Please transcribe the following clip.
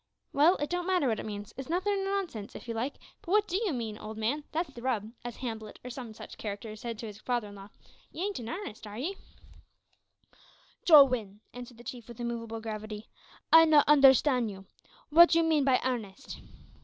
"Well, it don't matter what it means it's nothin' or nonsense, if you like but wot do you mean, old man, `that's the rub,' as Hamblet, or some such c'racter, said to his father in law; you ain't in airnest, are you?" "Jowin," answered the Chief, with immovable gravity, "I not onderstan' you. Wot you mean by airnest?"